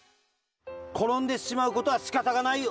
ころんでしまうことはしかたがないよ。